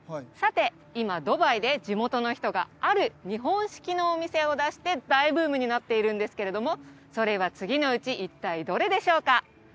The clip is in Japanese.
さて今ドバイで地元の人がある日本式のお店を出して大ブームになっているんですけれどもそれは次のうち一体どれでしょうか？